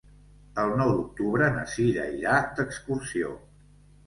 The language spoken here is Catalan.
El nou d'octubre na Cira irà d'excursió.